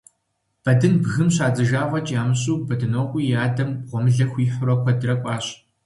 Бэдын бгым щадзыжа фӀэкӀ ямыщӀэу, Бэдынокъуи и адэм гъуэмылэ хуихьурэ куэдрэ кӀуащ.